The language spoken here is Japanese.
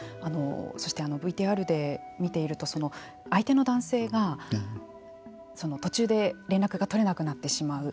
そして、ＶＴＲで見ていると相手の男性が途中で連絡が取れなくなってしまう。